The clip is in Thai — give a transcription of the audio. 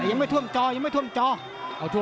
ฝ่ายทั้งเมืองนี้มันตีโต้หรืออีโต้